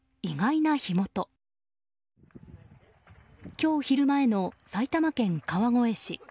今日昼前の埼玉県川越市。